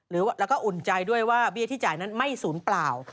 แล้วก็อุ่นใจด้วยว่าเบี้ยที่จ่ายนั้นไม่ศูนย์เปล่า